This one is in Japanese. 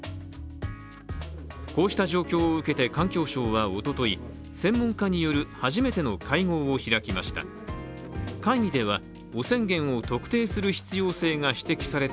こうした状況を受けて環境省はおととい専門家による初めての会合を開きました。